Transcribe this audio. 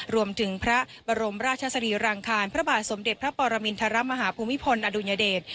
และพระบรมราชสรีรางคารพระบาจสมเด็จพระปรมินฐระมหภูมิพนศ์อดุญาเดช